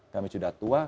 kami sudah tua